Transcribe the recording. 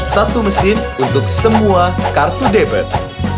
satu mesin untuk semua kartu debit